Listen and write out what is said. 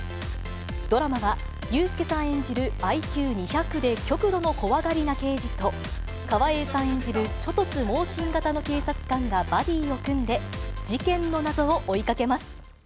ドラマは、ユースケさん演じるＩＱ２００で極度の怖がりな刑事と、川栄さん演じるちょ突猛進型の警察官がバディを組んで、事件の謎を追いかけます。